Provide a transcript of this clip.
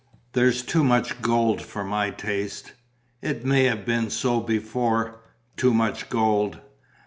"There's too much gold for my taste." "It may have been so before, too much gold...."